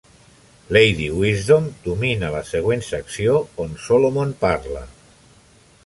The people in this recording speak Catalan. Lady Wisdom domina la següent secció, on Solomon parla.